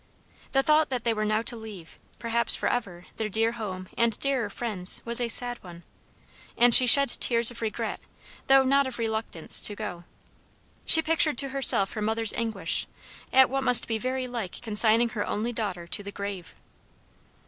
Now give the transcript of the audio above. The thought that they were now to leave, probably for ever, their dear home, and dearer friends, was a sad one, and she shed tears of regret though not of reluctance to go. She pictured to herself her mother's anguish, at what must be very like consigning her only daughter to the grave.